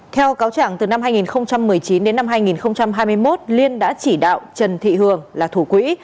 theo cáo trạng từ năm hai nghìn một mươi chín đến năm hai nghìn hai mươi một liên đã chỉ đạo trần thị hường là thủ quỹ